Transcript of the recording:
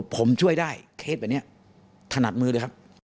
ผมช่วยได้เคสแบบนี้ถนัดมือด้วยครับ